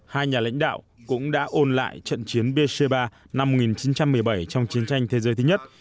hai nhà lãnh đạo cũng đã ôn lại trận chiến bc ba năm một nghìn chín trăm một mươi bảy trong chiến tranh thế giới thứ nhất